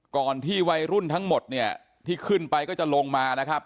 ก่อนที่วัยรุ่นทั้งหมดเนี่ยที่ขึ้นไปก็จะลงมานะครับ